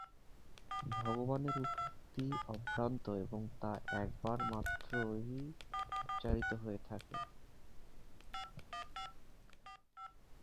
ভগবানের উক্তি অভ্রান্ত এবং তা একবার মাত্রই উচ্চারিত হয়ে থাকে।